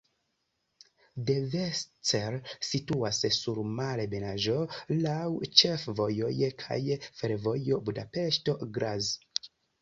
Devecser situas sur malebenaĵo, laŭ ĉefvojoj kaj fervojo Budapeŝto-Graz.